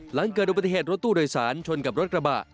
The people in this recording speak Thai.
หลังเกิดอุบัติเหตุรถตู้โดยสารชนกับรถกระบะ